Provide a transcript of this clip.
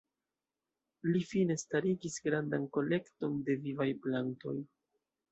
Li fine starigis grandan kolekton de vivaj plantoj.